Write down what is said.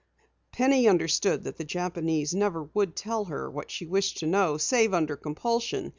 Penny understood that the Japanese never would tell her what she wished to know save under compulsion.